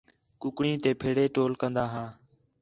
کُکڑیں تے پھیڑے ٹول کندا ہا